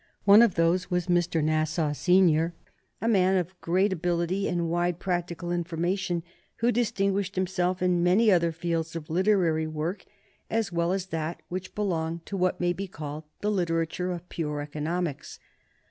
One of those was Mr. Nassau Senior, a man of great ability and wide practical information, who distinguished himself in many other fields of literary work, as well as that which belonged to what may be called the literature of pure economics.